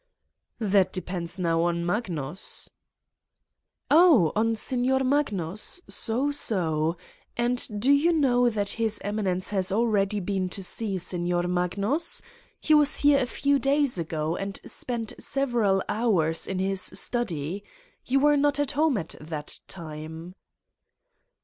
"That depends now on Magnus." "Oh! On Signor Magnus! So, so. And do you know that His Eminence has already been to see Signor Magnus ! He was here a few days ago 159 Satan's Diary and spent several hours in this study. You were not at home at that time."